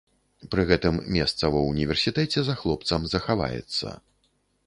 Пры гэтым месца ва ўніверсітэце за хлопцам захаваецца.